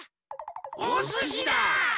おすしだ！